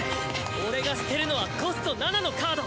俺が捨てるのはコスト７のカード。